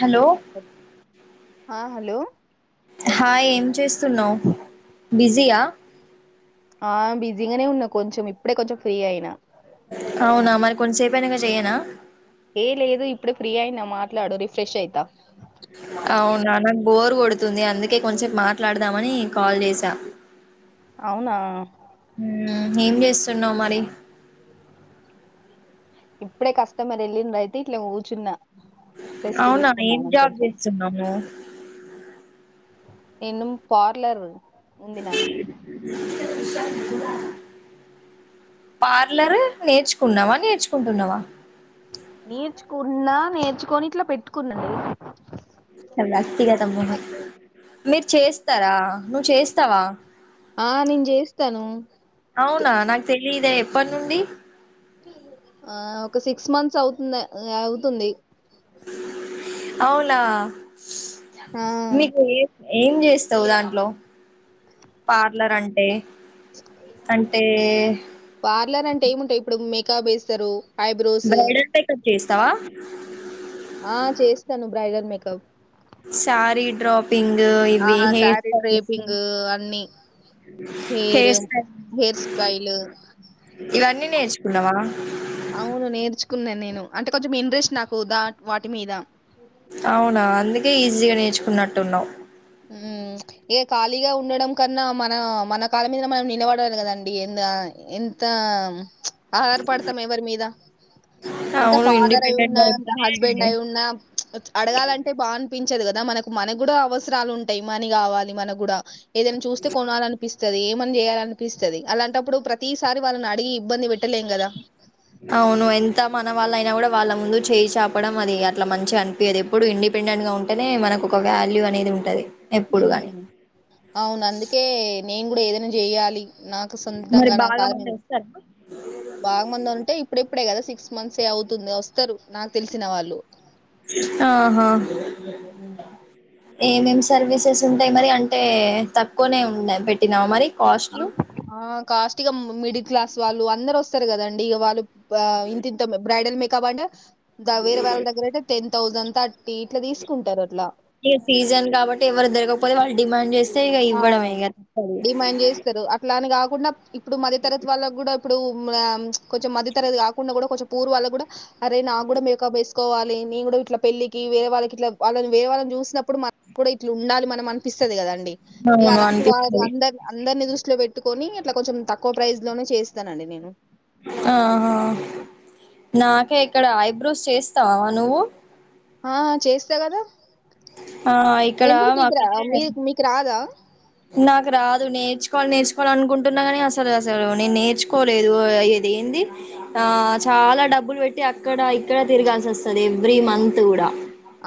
Hello! ఆ, hello! Hi! ఏం చేస్తున్నావ్ బిజీయా? ఆ బిజీగానే ఉన్నా కొంచెం ఇప్పుడే కొంచెం ఫ్రీ అయినా. అవునా, మరి కొంతసేపుయినాక చెయ్యనా? ఏ లేదు ఇప్పుడు ఫ్రీ అయినా మాట్లాడు రిఫ్రెష్ అయితా. అవునా నాకు బోరు కొడుతుంది. అందుకే కొంచసేపు మాట్లాడదామని కాల్ చేసా. అవునా? ఏం చేస్తున్నావు మరి. ఇప్పుడే కస్టమర్ వెళ్లిండు అయితే ఇట్లా కూర్చున్నా. రెస్ట్ అవునా ఏం తీసుకున్నామని జాబ్ కొంచెం చేస్తున్నాము. నేను పార్లరు [inaudible] పార్లరు నేర్చుకున్నావా, నేర్చుకుంటున్నావా? నేర్చుకుంటున్నా, నేర్చుకొని ఇట్లా పెట్టుకున్న. వ్యక్తిగతముందు మీరు చేస్తారా? నువ్వు చేస్తావా? ఆ నేను చేస్తాను. లేదా? ఎప్పటినుండి. ఆ ఒక సిక్స్ మంత్స్ అవుతుందే అవుతుంది. అవునా? ఆ మీకు ఏ ఏం చేస్తావ్ దాంట్లో పార్లర్ అంటే? అంటే పార్లర్ అంటే ఏముంటాయి ఇప్పుడు మేకప్ వేస్తారు. ఐబ్రోస్ బ్రైడల్ మేకప్ చేస్తావా ఆ చేస్తాను. Bridal makeup. హబ్ సారీ డ్రాపింగు, ఆ ఇవి హేయిర్ శారీ స్టైల్స్ డ్రేపింగ్ అన్ని హెయిర్ స్టైల్ హెయిర్ స్టైల్ ఇవన్నీ నేర్చుకున్నావా? అవును నేర్చుకున్నా నేను అంటే కొంచెం ఇంట్రెస్ట్ నాకు దా వాటి మీద అవునా అందుకే ఈజీగా నేర్చుకున్నట్టున్నావ్. ఉం ఇగ ఖాళీగా ఉండడం కన్నా మన మన కాళ్ళ మీద మనం నిలబడాలి కదండి ఎ ఎంత ఆధారపడతాం ఎవరి మీద ఎంత అవును ఫాదర్ అయి ఇండిపెండెంట్ ఉన్నా గా ఎంత హస్బెండ్ ఉంటేనే అయి ఉన్నా అడగాలంటే బా అనిపిం పించదు కదా మనకు మనకు కూడా అవసరాలు ఉంటాయి మనీ కావాలి మనకు కూడా ఏదైనా చూస్తే కొనాలనిపిస్త స్తది ఏమని చేయాలనిపిస్తది అలాంటప్పుడు ప్రతిసారి వాళ్ళని అడిగి ఇబ్బంది పెట్టలేం కదా అవును ఎంత మన వాళ్ళ అయినా కూడా వాళ్ళ ముందు చేయి చాపడం అది అట్లా మంచిగా అనిపియది ఎప్పుడు ఇండి పెండెంట్ గా ఉంటేనే మనకు ఒక వాల్యూ అనేది ఉంటది ఉ ఎప్పుడు గాని హమ్ అవును అందుకే నేను కూడా ఏదైనా చెయ్యాలి నాకు మరి సొంతంగా నా బాగా కాళ్ళ మంది మీద వస్తారా బాగు మంది అంటే ఇప్పుడు ఇప్పుడే కదా సిక్స్ మంత్స్ఏ అవుతుంది వస్తారు నాకు తెలిసిన వాళ్ళు ఆహా హ్మ్. ఏమేం సర్వీసెస్ ఉంటాయి మరి అంటే తక్కువనే ఉండ పెట్టినావా మరి ఆ కాస్ట్లు ఆ కాస్టిగా మిడిల్ క్లాస్ వాళ్ళు అందరూ వస్తారు కదండి ఇక వాళ్ళు వా ఇంతింత బ్రైడల్ మేకప్ అంటే దా వేరే వాళ్ళ దగ్గర అయితే టెన్ థౌసండ్ థర్టీ ఇట్లా తీసుకుంటారు అట్లా ఇక సీజన్ కాబట్టి ఎవరు దొరకపోతే వాళ్ళు డిమాండ్ చేస్త ఆ డిమాండ్ చేస్తారు అట్లా అని కాకుండా ఇప్పుడు మధ్యతరగతి వాళ్ళకి కూడా ఇప్పుడు కొంచెం మధ్యతరగతి కాకుండా కూడా కొంచెం పూర్ వాళ్లకు కూడా అరే నాకు కూడా మేకప్ వేసుకోవాలి నేను కూడా ఇట్లా పెళ్లికి వేరేవాళ్ళకి ఇట్లా వాళ్ళని వేరే వాళ్ళని చూసినప్పుడు మనకు కూడా ఇట్లా ఉండాలి మనం అనిపిస్తది కద అండి ఇగ అవును అలాంటి వాళ్ళని అనిపిస్తది అందరిని అందరిని దృష్టిలో పెట్టుకొని అట్లా కొంచెం తక్కువ ప్రైజ్ లోనే చేస్తానండి నేను ఆహా నాకే ఇక్కడ ఐబ్రోస్ చేస్తావా నువ్వు ఆ చేస్తా కదా ఆ ఇక్కడ ఎందుకు మీకు రావ మాకైతే మీకు మీకు రాదా నాకు రాదు నేర్చుకోవాలి నేర్చుకోవాలి అనుకుంటున్నా కాని అసలు అసలు నేను నేర్చుకోలేదు ఏంది ఆ చాలా డబ్బులు పెట్టి అక్కడ ఇక్కడ తిరగాల్సి వస్తది ఎవ్రీ మంత్ కూడా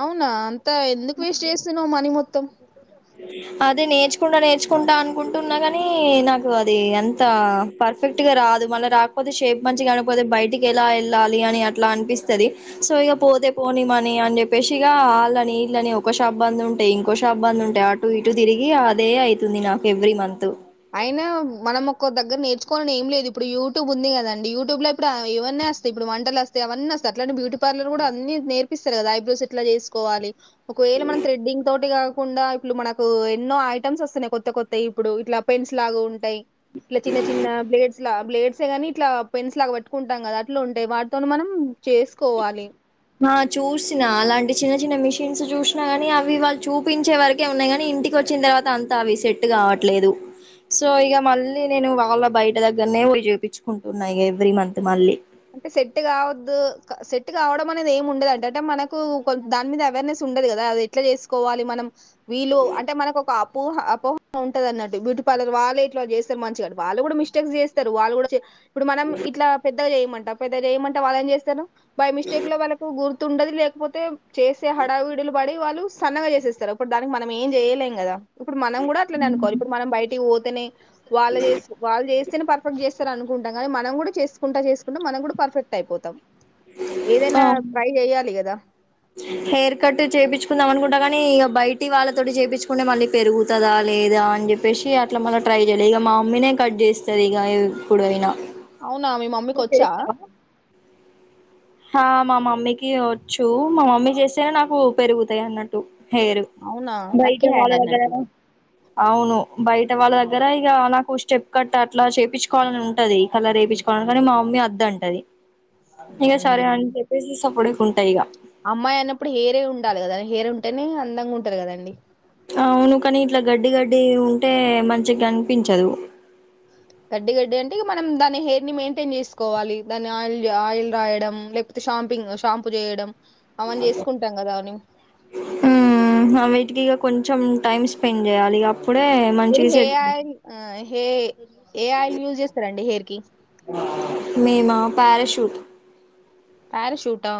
అవునా అంతా ఎందుకు వేస్ట్ చేస్తున్నవ్ మనీ మొత్తం అ [unintelligible] అదే నేర్చుకుంటా నేర్చుకుంటా అనుకుంటున్నా గాని నాకు అది అంత ఫర్ఫెక్ట్ గా రా కాదు మళ్ళ రాకపోతే షేప్ మంచిగానకపోతే బయటికి ఎలా వెళ్ళాలి అని అట్లా అనిపిస్తది. సో ఇగా పోతే పోని మనీ అని చెప్పేసిగా ఆళ్ళని ఈళ్ళని ఒక్క షాప్ బంద్ ఉంటే ఇంకో షాప్ బంద్ ఉంటా అటు ఇటు తిరిగి అదే అయితుంది నాకు ఎవ్రీ మంత్ మనం ఒక దగ్గర నేర్చుకోవాలని ఏం లేదు ఇప్పుడు యూట్యూబ్ ఉంది కదండి యూట్యూబ్ లో ఇప్పుడు హా ఇవన్ని వస్తాయి వంటలు వస్తయి అవన్నీ వస్తయి అట్లాంటి బ్యూటీ పార్లర్ కూడా అన్ని నేర్పిస్తారు కదా ఐబ్రోస్ ఎట్లా చేసుకోవాలి ఒకవేల త్రేడ్డింగ్ తోటి కాకుండా ఇప్పుడు మనకు ఎన్నో ఐటమ్స్ వస్తున్నాయి కొత్త కొత్తయి ఇప్పుడు ఇట్లా పెన్స్ లాగా ఉంటయి ఇట్లా చిన్న చిన్న బ్లేడ్స్లా బ్లేడ్స్ ఏ గాని ఇట్లా పెన్స్ లాగా పెట్టుకుంటాం కదా అట్లా ఉంటాయి వాటితోనే మనం చేసుకోవాలి ఆ చూసినా అలాంటి చిన్న చిన్న మిషన్స్ చూసినా కాని అవి వాళ్ళు చూపించే వరకే ఉన్నాయి కానీ ఇంటికి వచ్చి న తర్వాత అంత అవి సెట్ కావట్లేదు సో ఇగ మళ్ళీ నేను వాళ్ళ బయట దగ్గరనే పోయి చేపిచుకుంటున్నా ఇక ఎవ్రీ మంత్ మళ్ళీ అంటే సెట్ కావద్దు క సెట్ కావడం అనేది ఏమి ఉండదట అంటే మనకు దాని మీద అవేర్నెస్ ఉ ఉండదు కదా అది ఎట్లా చేసుకోవాలి మనం వీళ్ళు అంటే మనకు ఒక పోహ అపోహ ఉంటంది అన్నట్టు బ్యూటీ పార్లర్ వాళ్ళే ఇట్లా చేస్తారు మంచిగా వాళ్ళు కూడా మిస్టేక్స్ చేస్తారు వాళ్ళు కూడా చే ఇప్పుడు మనం ఇట్లా పెద్దగా చేయమంట పెద్దగా చేయమంటే వాళ్ళ ఏం చేస్తరు బై మిస్టేక్ లో వాళ్ళకు గుర్తుండది లేకపోతే చేసే హడావుడి పడి వాళ్ళు సన్నగా చేసేస్తరు అప్పుడు దానికి మనం ఏం చేయలేం కదా ఇప్పుడు మనం కూడా అట్నే అనుకోవాల ఇప్పుడు మనం బయటి పోతేనే వాళ్ళ వాళ్ళు చేస్తేనే పర్ఫెక్ట్ చేస్తారు అనుకుంటాం కానీ మనం కూడా చేసుకుంట చేసుకుంటా పుడు మనం కూడా పర్ఫెక్ట్ అయిపోతాం ఏదైనా ట్రై చెయ్యాలి గదా హెయిర్ కట్ చేపిచ్చుకుందాం అనుకుట్టా గానీ ఇక బయటి వాళ్ళతోటి చేపిచ్చుకుంటే మళ్ళీ పెరుగుతదా లేదా. ఆని చెప్పేసి అట్లా మళ్ళ ట్రై జేయలే ఇగ మా అమ్మీ నే కట్ చేస్తది ఇగ ఎప్పుడైనా అవునా మీ మమ్మీకి నువ్వు ఒచ్చా ఆ మా మమ్మీకి ఒచ్చూ మా మమ్మీ చేస్తే నాకు పెరుగుతాయి అన్నట్టు టు హేరు అవునా బయట లక్కీ వాళ్ళ హ్యాండ్ దగ్గరా అన్నట్టు అవును బయట వాళ్ళ దగ్గర ఇగ నాకు స్టెప్ కట్ అట్లా చేపిచ్చుకోవాలని ఉంటది కలర్ ఏపిచుకోవాలన్ కానీ మా అ నే ఒద్దంటది ఇగ సరే ఉమ్. అని చెప్పేసి సప్పుడేక ఉంటా ఇగ అమ్మాయి అన్నప్పుడు హేరే ఉండాలి కదా హేరే ఉంటేనే అందంగా ఉంటది గదండి అవును కానీ ఇట్ల గడ్డి గడ్డీ ఉంటే మంచి గనిపించదు గడ్డ గడ్డి అంటే ఇగ మనం దాని హెయిర్ ని మెయింటైన్ చేసుకోవాలి దాని ఆయిల్ ఆయిల్ రాయడం లేపోతే షాంపింగ్ షాంపు జేయడం అవన్ చేసుకుంటాం గదా అని ఊమ్ అవిటికి ఇగ కొంచెం టైమ్ స్పెండ్ జెయాలి ఇగ అ మీరు హే ఆయిల్ ఆ హే ఏ ఆయిల్ యూజ్ చేస్తారండి హెయిర్ కి మేమా పారాషూట్ పారషూటా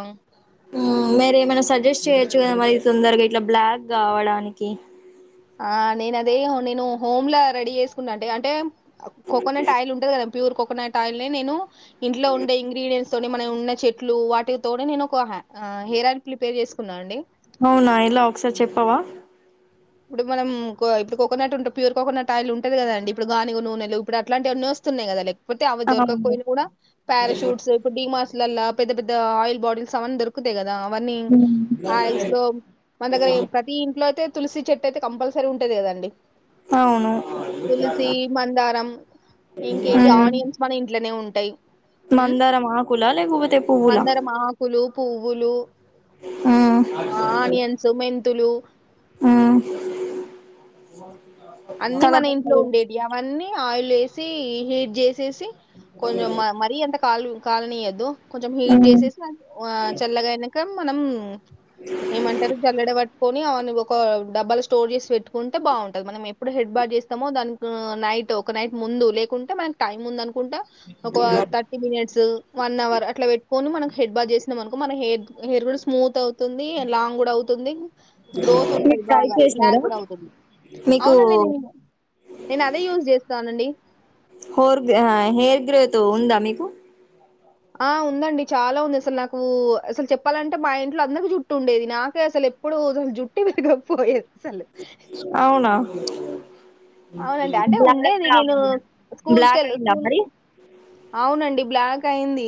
ఊ మరి ఏమైనా సజెస్ట్ చేయొచ్చు కదా మరి తొందరగా ఇట్లా బ్లాక్ గావడానికి ఆ నేను అదే నేను హోమ్లా రెడీ ఏసుకున్న అంటె అంటే కోకోనట్ ఆయిల్ ఉంటది కదా ప్యూర్ కోకోనట్ ఆయిల్ ని నేను ఇంట్లో ఉండే ఇంగ్రీడియంన్స్ తోని మనం ఉన్న చెట్లూ వాటితోని నేను ఒక అ ఆ హెయిర్ ఆల్ ప్రిపేర్ చేసుకున్నా అండి అవునా ఎలా ఒకసారి చెప్పవా ఇప్పుడు మనం కొ ఇప్పుడు కోకోనట్ ఉంటే ప్యూర్ కోకోనట్ ఆయిల్ ఉంటది గదండి, ఇప్పుడు గానుగా నూనెలు ఇప్పుడు అలాంటివి ఎన్నీ చేస్. స్తున్నయ్ గదా లేకపోతే అవి దొరకక్ అవును పోయిన కూడా పారాషూట్స్ ఇప్పుడు డి మార్స్ లల్లా పెద్ద పెద్ద ఆయిల్ బటిల్స్ అవన్ దొరుకుతయ్ గ అవన్నీ మ్మ్. ఆయిల్స్ లో మన దగ్గర ఏం ప్రతి ఇంట్లో అయితే తులసి చెట్టైతే కంపల్సరీ ఉంటది గదండి అవును తులసీ మందారం ఇంకేంటి మ్మ్. ఆనియన్స్ మన ఇంట్లోనే ఉన్ ఉ మందారం ఆకులా లేకపోతే పువ్వులా మందరం ఆకులు పువ్వులు మ్మ్ ఆ ఆనియన్స్ మెంతులు ఊ అన్ని మన ఇంట్లో ఉండేటియి అవన్నీ ఆయిల్ లేసీ హీట్ జేసేసి కొంచెం మ మరీ అంత కాలు కాలనీయొద్దు కొంచెం హీట్ వేసుకుంటాం జేసేసి ఆ చల్లగా అయినాక మనం ఏమంటరు జల్లెడ వట్టుకొని అ నువ్ ఒక డబ్బల స్టోర్ చేసి వెట్టుకుంటే బాగుంటది మనం ఎ ఇప్పుడు హెడ్ బార్ట్ జేస్తమో దానికూ నైట్ ఒక నైట్ ముందు లేకుంటే మనకి టైమ్ ఉందను కుంటా ఒక థర్టీ మినిట్స్ వన్ అవర్ అట్ల వె కొను మనక్ హెడ్ బాద్ చేసినం అనుకో మన హేర్ హేర్ గూడా స్మూత్ అవు తుంది లాంగ్ గూడా అవుతుంది గ్రోత్ మీరు ఉంటది ట్రై బాగా బ్లాక్ చేసారా గూడా అవుతది మీకు అవునండి నేను [inaudible] నేను అదే యూజ్ చేస్తానండి హోర్ హెయిర్ గ్రోతూ ఉందా మీకు ఆ ఉందండి చాలా ఉంది అసలు నాకు అసలు చెప్పాలంటే, మా ఇంట్లో అందరికి జుట్ట ఉండేది నాకే అసలె. ఎప్పుడూ దాన్ జుట్టు విరగకపోయే సలు బ్కా గావాలి ఉండేది నేను నాకు స్కూల్స్ బ్లాక్ కెళ్ళి అయిందా స్కూల్ మరి అవునండి బ్లాక్ అయింది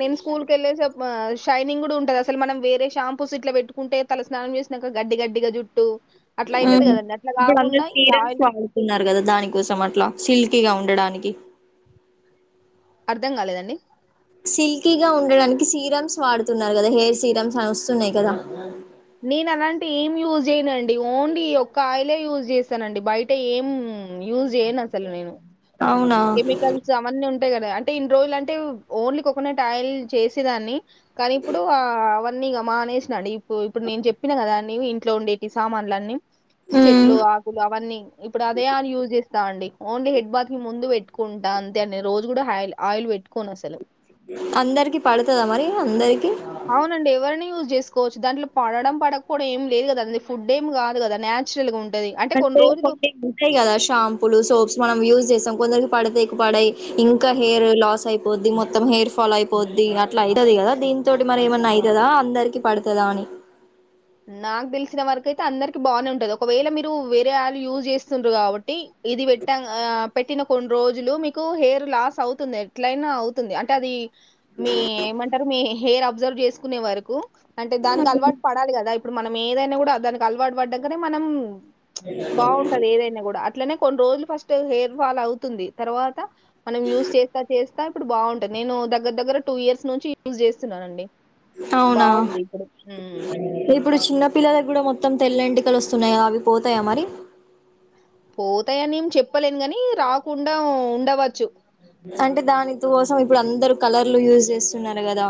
నేను స్కూల్ కెళ్ళేసప్ షైనింగ్ గూడ ఉంటది అసలు మనం వేరే షాంపూస్ ఇట్ల వెట్టుకుంటే తల స్నానం చేస్ నంక గడ్డి గడ్డిగ జుట్టూ అట్ల అయితది గదండి అట్లా గాకుండా ఈ ఆయిల్ ఉన్నారు గద దాని కోసం అట్లా సిల్కీగ ఉండడానికి అర్ధం గాలేదండి సిల్కీ గా ఉండడానికి సీరమ్స్ వాడుతున్నారు గదా, హెయిర్ సీరమ్స్ అని వస్తున్నాయి కదా. నేను అలాంటి ఏం యూజ్ చేయనుండి ఓన్లీ ఈ ఒక్క ఆయిలే యూజ్ చేస్తానండి బయట ఏం ఉమ్ యూస్ చేయను అసలు నేను అవునా కెమికల్స్ అవన్నీ ఉన్ టాయి కదా అంటే ఇన్ని రోజులు అంటే ఓన్లీ కోకోనట్ ఆయిల్ చేసేదాన్ని కానీ ఇప్పుడు అన్నీగా మానేసినాడు ఇప్పుడు ఇప్పుడు నేను చెప్పినా కదా అీ ఇంట్లో ఉండేవి సామాన్లు అన్నీ మ్మ్. చెట్లు ఆకులు అవన్నీ ఇప్పుడు అదే అ యూజ్ చేస్త స్తా అండిఓన్లీ హెడ్ బాత్ కి ముందు పెట్టుకుంటా అంతే అండి రోజు కూడా ఆయి ఆయిల్ పెట్టు అందరికి పడుతుదా మరి అందరికి అవునండి ఎవరిని యూజ్ చేసుకోవచ్చు దాంట్లో పడడం పడకపోవడం ఏమి లేదు కదా అది ఫుడ్ ఏమి కాదు కదా న్యాచురల్ గా ఉన్ అంటే కొ ఉంటాయి కదా షాంపుూలు సోప్స్ మనం యూస్ చేస్తాం కొందకి పడితే ఎక్కు పడాయి ఇంకా హెయిర్ లాస్ అయిపోద్ది మొత్తం హెయిర్ ఫాల్ అయిపోద్ది అట్లా అవుతుంది కదా దీని తోటి మరి ఏమన్నా అవుతుందా అందరికి పడుతుందా అని నాకు తెలిసిన వరకియితే అందరికి బానే ఉంటది ఒకవేళ మీరు వేరే వాళ్లుు యూజ్ చేస్తుండ్రు కాబట్టి ఇది పెట్టా ఆ పెట్టిన కొన్ని రోజులు మీకు హెయిర్ లాస్ అవుతుంది ఎట్లయినా అవుతుంది అంటే అది మీ ఏమంటారు మీ హెయిర్ అబ్జర్వ్ చేసుకునే వరకు అంటే దానికి అలవాటు పడాలి కదా ఇప్పుడు మనం ఏదైనా కూడా దానికి అలవాటు పడ్డాకనే మనం బాగుంటది ఏదైనా కూడా అట్లనే కొన్ని రోజులు ఫస్ట్ హెయిర్ ఫాల్ అవుతుంది తర్వాత మనం యూజ్ చేస్తా చేస్తా ఇప్పుడు బా ంట నేను దగ్గర దగ్గర టూ ఇయర్స్ నుంచి యూజ చేస్తున్నానండి అవునా బాగుంది ఇప్పుడు ఇప్ప ఇప్పుడు చిన్న పిల్లలకు కూడా మొత్తం తెల్ల ఎంటికలు వస్తున్నాయా అవి పోతాయా మరి పోతాయనిం ఏం చెప్పలేను గానీ రాకుండా ఉండవచ్చు అంటే దాని కోసం ఇప్పుడు అందరుూ కలర్లు యూజ్ చేస్తున్నారు కదా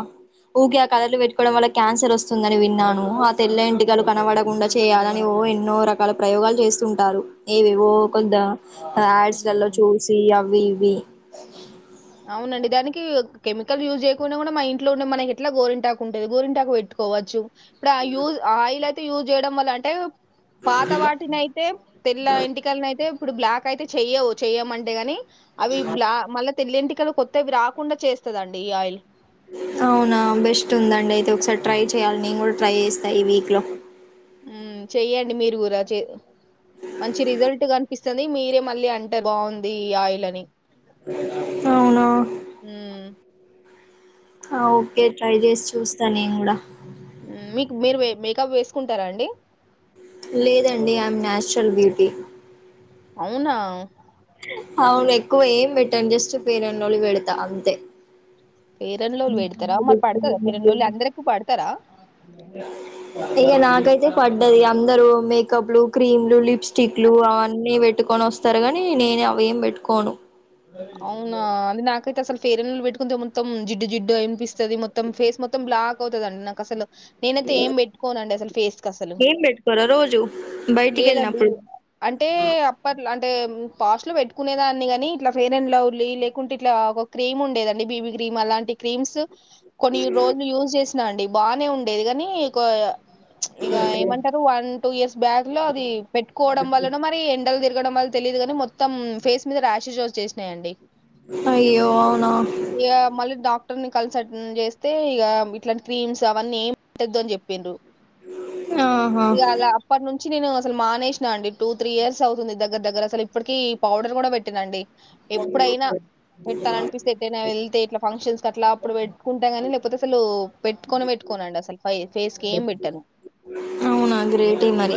ఊకె ఆ కలర్ లు పెట్టుకోవడం వల్ల క్యాన్సర్ వస్తుందని విన్నాను ఆ తెల్ల ఇంటికాలు కనబడకుండా చేయాలని ఎన్నో రకాల ప్రయోగాలు చేస్తుంటారు ఏవేవో కొద్ద యాడ్స్లలో చూసి అవి ఇవి అవునండి దానికి కెమికల్ యూజ్ చేయకుండా కూడా మన ఇంట్లో ఉండే మనకి ఎట్లా గోరింటాకు ఉంటుది గోరింటాకు పెట్టు కోవచ్చు ఇప్పుడు ఆ యూజ్ ఆయిల్ అయితే యూజ్ చేయడం వల్ల అంటే పాత వాటినయితే తెల్ల ఎంటికని అయితే ఇప్పుడు బ్లాక్ అయితే చెయ్యవు చెయమంటే గాని అవి బ్లాక్ మళ్ళ తెల్లింటికలు కొత్తవి రాకుండా చేస్తదండి ఈ ఆయిల్ అవునా బెస్ట్ ఉందండి అయితే ఒకసారి ట్రై చేయాలి నేను కూడా ట్రై చేస్తా ఈ వీక్ లో ఉమ్ చెయ్యండి మీరు కూర చే మంచి రిజల్ట్ కనిపిస్తాది మీరే మళ్ళీ అంటే బాగుంది ఈ ఆయిల్ అని అవునా మ్మ్. ఔ ఓకే ట్రై చేసి చూస్తాను నేను గుడా మ్మ్. మీకు మీరు మేకప్ వేసుకుంటారా అండి లేదండి ఐ యామ్ న్యాచురల్ బ్యూటీ అవునా అవును ఎక్కువ ఏం పెట్టాను జస్ట్ ఫెయిర్ అండ్ లవ్లీ పెడతా అంతే ఫెయిర్ అండ్ లవ్లీ పెడతారా [inaudible] మరి పడతదా ఫెయిర్ అండ్ లవ్లీ అందరికి పడతారా ఇక నాకైతే పడ్డది అందరు మేకప్లు క్రీమ్లు లిప్స్టిక్ లు అవన్నీ పెట్ పెట్టుకొని అస్తారు గాని నేనే అవి ఏం పెట్టుకోను అవునా నాకైతే అసలు ఫేరన్ లవ్లీ పెట్టుకుంటె మొత్తం జిడ్డు జిడ్డు అనిపిస్తుంది మొత్తం ఫేస్ మొత్తం బ్లాక్ అవుతాది నాకు అసలు నేనైతే ఏం పెట్టుకోనండి అసలు ఫేస్ అసలు ఏం పెట్టుకోరా రోజు బయటికి లేదండి వెళ్ళినప్పుడు అంటే అప్పట్ల అ అంటే పాస్ట్లు పెట్టుకునే దాన్ని కాని ఇట్లా ఫెయిర్ అండ్ లవ్లీ లేకుంటే ఇట్లా ఒక క్రీమ్ ఉండేదండి బీబీ క్రీమ్ అలాంటి క్రీమ్స్ కొన్ని రోజులు యూజ్ చేసినా అండి బాగానే ఉండేది గానీ ఒక ఇగ ఇక ఏమంటారు వన్ టూ ఇయర్స్ బ్యాక్ లో అది పెట్టుకోవడం వల్లనొ మరి ఎండలు తిరి ఎక్కడోవల్లతెలియదు కానీ మొత్తం ఫేస్ మీద రాషెస్ వచేసినాయండి అయ్యో అవునా క్టర్ కన్సల్ చేస్తే ఇ ఇట్లాంటి క్రీమ్స్ అవన్నీ ఏం పేంటద్దు అని చెప్పిండ్రు ఆహా ఇగ అలా అప్పటి నుంచి నుంచి నేను అసలు మానేసిన అండి టూ త్రీ ఇయర్స్ అవుతుంది దగ్గర దగ్గర అసలు ఇప్పటిక పౌడర్ కూడా పెట్టినండి [unintelligible] పెట్టాలనిపిస్తే ఎటైనా వెళ్తే ఇట్లా ఫంక్షన్స్ అట్లా అప్పుడు పెట్టుకుంటా కాని లేకపోతే అసలు పెట్టుకొనే పెట్టుకొను కొనండి అసలు ఫై ఫేస్ కి ఏం పెట్టను అవునా గ్రేట్ ఏం మరి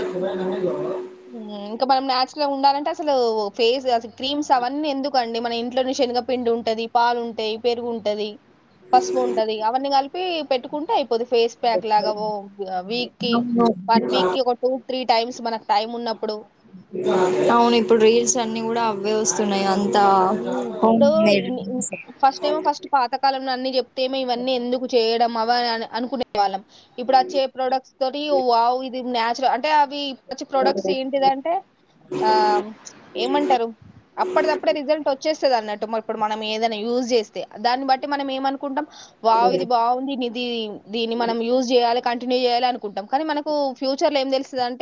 హ్మ్ ఇంకా మనం నాచురల్ గా ఉండాలంటే అసలు ఫేస్ అస క్రీమ్స్ అవన్నీ ఎందుకండి మన ఇంట్లో నుంచి శనగపిండి ఉంటది పాలుంటాయి పెరుగు ఉంటది పసుపు ఉంటంది అవన్నీ కలిపి పెట్టుకుంటే కొద్ది ఫేస్ ప్యాక్ లాగా ఓ వీక్ కి వన్ వీక్ కి ఒక టూ త్రీ టైమ్స్ మన అవును ఇప్పుడు రీల్స్ అన్ని కూడా అవే వస్తున్నాయి అన్ హు ఇప్పుడు ఫస్ట్ టైం ఫస్ట్ పాతకాలం అన్ని తేేమో ఇవన్నీ ఎందుకు చేయడం అవ అని అనుకునే వాళ్ళం ఇప్పుడు వచ్చే ప్రోడక్ట్స్ తోటి వావ్వు ఇది నన్చురల్ అంటే అవి వచ్చి ప్రోడక్ట్స్ ఏంటిదంటే ఆ ఏమంటారు అప్పటిదాప్పుడు రిజల్ట్ వచ్చేస్తుంది అన్నట్టు ఇప్పుడు మనం ఏదై యజ్ చేస్తే దాన్ని బట్టి మనం ఏమ కొంటాం వావ్ ఇది బాగుంది ని దీన్ని మనం యూజ్ చేయాలి కంటిన్యూ చేయాలి అనుకుంటాం కానీ మనకు ఫ్యూచర్ లో ఏం తెలుస్తుంద అంటే